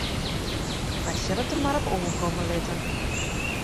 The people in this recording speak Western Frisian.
Wy sille it der mar op oankomme litte.